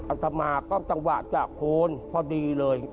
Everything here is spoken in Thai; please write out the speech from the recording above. อัตมาก็จังหวะจากโคนพอดีเลย